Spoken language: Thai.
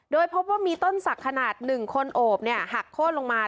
โดยพบว่ามีต้นศักดิ์ขนาด๑คนโอบหักโค้นลงมา